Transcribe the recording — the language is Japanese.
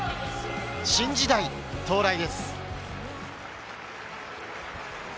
新時代到来です。